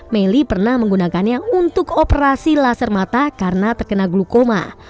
melly pernah menggunakannya untuk operasi laser mata karena terkena glukoma